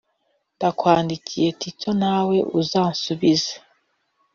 Ndakwandikiye Tito nawe uzansubize